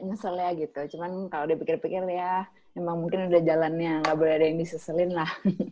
ya ini ya sempet waktu itu lah ada nyesel ya cuman kalo di pikir pikir ya emang mungkin udah jalannya yang ga boleh ada diseselin lah